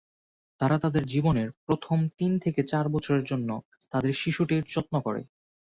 তারা তাদের জীবনের প্রথম তিন থেকে চার বছরের জন্য তাদের শিশুটির যত্ন করে।